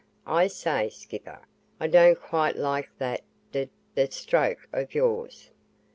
"I say, skipper, I don't quite like that d d stroke of yours."